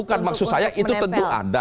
bukan maksud saya itu tentu ada